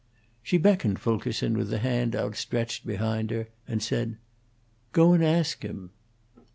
She beckoned Fulkerson with the hand outstretched behind her, and said, "Go and ask him."